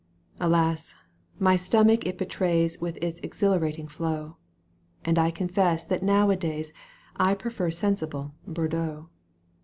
Alas ! my stomach it betrays With its exhilarating flow, , And I confess that now a days I prefer sensible Bordeaux.